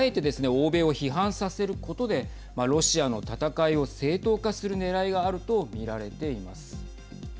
欧米を批判させることでロシアの戦いを正当化するねらいがあるとみられています。